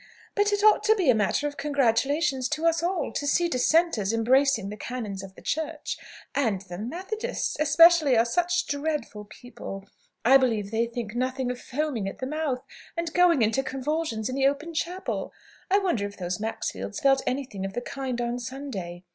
But it ought to be a matter of congratulation to us all, to see Dissenters embracing the canons of the Church! And the Methodists, especially, are such dreadful people. I believe they think nothing of foaming at the mouth, and going into convulsions, in the open chapel. I wonder if those Maxfields felt anything of the kind on Sunday?